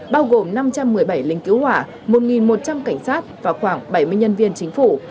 bao gồm năm trăm một mươi bảy lính cứu hỏa một một trăm linh cảnh sát và khoảng bảy mươi nhân viên chính phủ